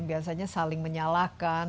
biasanya saling menyalahkan